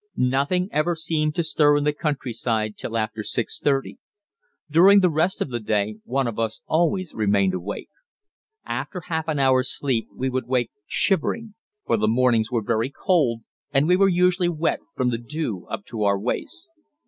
Nothing ever seemed to stir in the countryside till after 6.30. During the rest of the day one of us always remained awake. After half an hour's sleep we would wake shivering, for the mornings were very cold, and we were usually wet from the dew up to our waists.